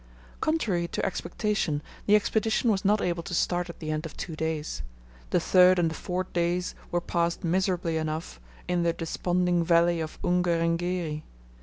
Contrary to expectation the Expedition was not able to start at the end of two days; the third and the fourth days were passed miserably enough in the desponding valley of Ungerengeri.